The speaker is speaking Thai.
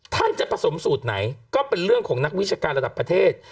ท่านจะผสมสูตรไหนก็เป็นเรื่องของนักวิชาการระดับประเทศ